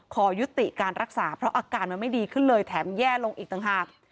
ขอยุติการรักษาเพราะอาการมันไม่ดีขึ้นเลยแถมแย่ลงอีกต่างหาก